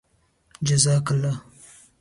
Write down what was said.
جزاك اللهُ